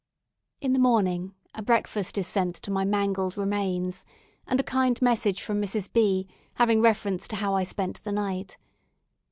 In the morning, a breakfast is sent to my mangled remains, and a kind message from Mrs. B , having reference to how I spent the night.